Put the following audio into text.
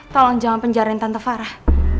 tolong jangan penjarin tante farah